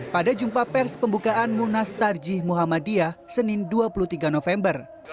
pada jumpa pers pembukaan munas tarjih muhammadiyah senin dua puluh tiga november